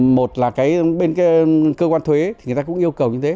một là bên cơ quan thuế thì người ta cũng yêu cầu như thế